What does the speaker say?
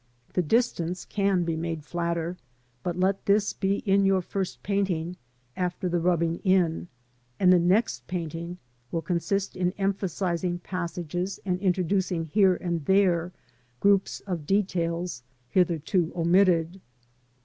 The distance can be made flatter, but let this be in your first painting after the rubbing in, and the next painting will consist in emphasising passages and intro ducing here and there groups of details hitherto omitted.